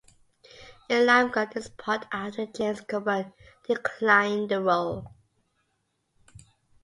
Elam got this part after James Coburn declined the role.